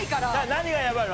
何がヤバいの？